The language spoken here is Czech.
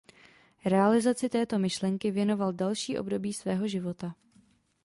Realizaci této myšlenky věnoval další období svého života.